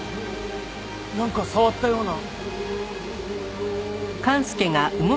なんか触ったような。